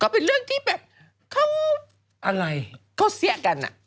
ก็เป็นเรื่องที่แบบเขาเขาเสียกันอ่ะอะไร